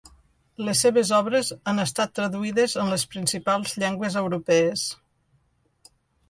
Les seves obres han estat traduïdes en les principals llengües europees.